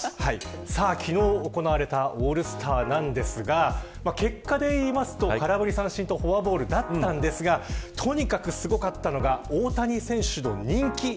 昨日行われたオールスターなんですが結果でいいますと空振り三振とフォアボールだったんですがとにかくすごかったのが大谷選手の人気。